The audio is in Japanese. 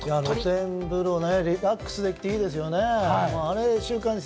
露天風呂、リラックスできていいですよね。